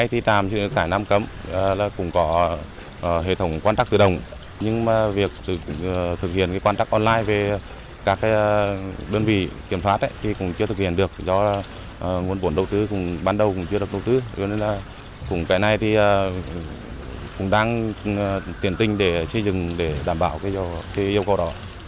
hiện nay thì tạm dựng trải năm cấm